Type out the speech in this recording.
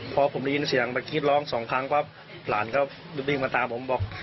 พอผมได้ยินเสียงเมื่อกี้ร้องสองครั้งปั๊บหลานก็วิ่งมาตามผมบอก